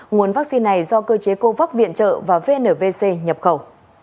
nguồn vaccine này do cơ chế covax viện trợ và vnvc nhập khẩu